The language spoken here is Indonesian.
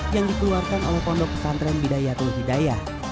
yang dikeluarkan oleh pondok kesantren bidayatul hidayah